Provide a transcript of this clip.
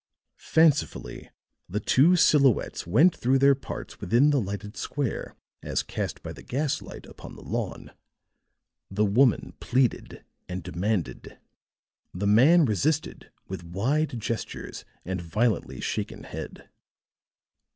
Fancifully the two silhouettes went through their parts within the lighted square as cast by the gaslight upon the lawn. The woman pleaded and demanded; the man resisted with wide gestures and violently shaken head.